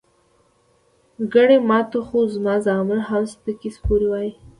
ګني ماته خو زما زامن هم سپکې سپورې وائي" ـ